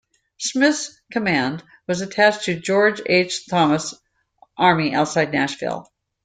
Smith's command was attached to George H. Thomas' army outside Nashville.